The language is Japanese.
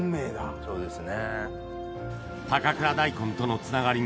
そうですね。